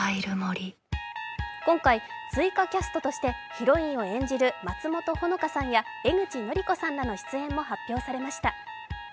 今回、追加キャストとしてヒロインを演じる松本穂香さんや江口のりこさんらの出演も発表されました。